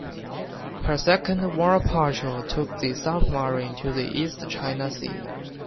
Her second war patrol took the submarine to the East China Sea.